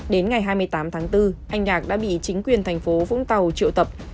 đến ngày hai mươi tám tháng bốn anh gạc đã bị chính quyền thành phố vũng tàu triệu tập